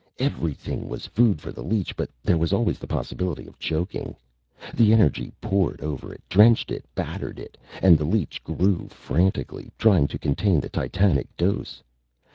Everything was food for the leech, but there was always the possibility of choking. The energy poured over it, drenched it, battered it, and the leech grew frantically, trying to contain the titanic dose.